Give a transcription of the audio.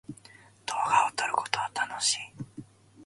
動画を撮ることは楽しい。